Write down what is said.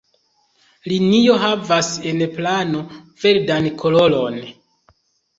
Linio havas en plano verdan koloron.